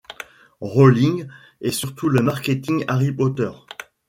Rowling, et surtout le marketing Harry Potter.